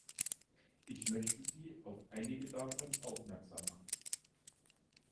Ich möchte Sie auf einige davon aufmerksam machen.